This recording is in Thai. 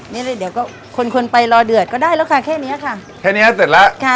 นี่เลยเดี๋ยวก็คนคนไปรอเดือดก็ได้แล้วค่ะแค่เนี้ยค่ะแค่เนี้ยเสร็จแล้วค่ะ